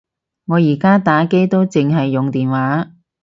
我而家打機都剩係用電話